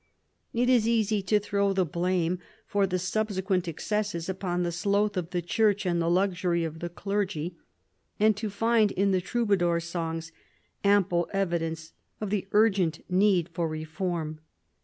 It is easy to throw the blame for the subsequent excesses upon the sloth of the church and the luxury of the clergy, and to find in the Troubadours' songs ample evidence of the urgent need for reform.